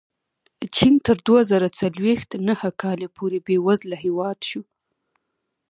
چین تر دوه زره څلوېښت نهه کاله پورې بېوزله هېواد شو.